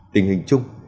tình hình chung